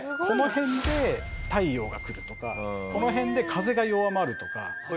この辺で太陽がくるとかこの辺で風が弱まるとか。